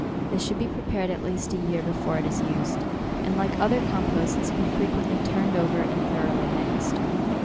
This should be prepared at least a year before it is used, and like other composts, be frequently turned over, and thoroughly mixed.